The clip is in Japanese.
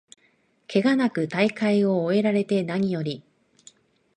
ケガなく大会を終えられてなによりだ